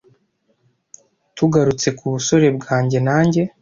Tugarutse ku busore bwanjye nanjye?